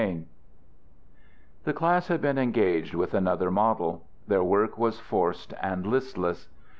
VI The class had been engaged with another model. Their work was forced and listless.